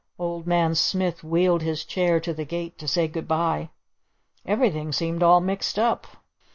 Old Man Smith wheeled his chair to the gate to say "Good bye." Everything seemed all mixed up.